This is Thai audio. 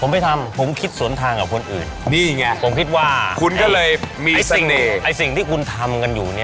ผมไม่ทำผมคิดสนทางกับคนอื่นผมคิดว่าไอ้สิ่งที่คุณทำกันอยู่